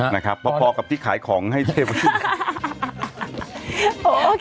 นะครับพอกับที่ขายของให้เทพ